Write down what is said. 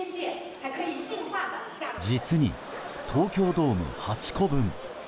実に、東京ドーム８個分。